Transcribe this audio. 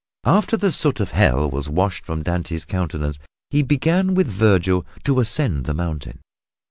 After the soot of Hell was washed from Dante's countenance he began with Vergil to ascend the mountain.